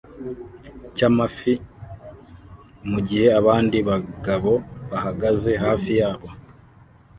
cyamafi mugihe abandi bagabo bahagaze hafi yabo